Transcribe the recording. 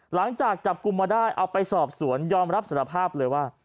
หลังจากจับกลุ่มมาได้เอาไปสอบสวนยอมรับสารภาพเลยว่า